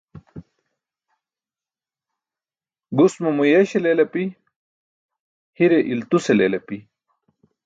Gus mo muyeeśe leel api, hire iltuse leel api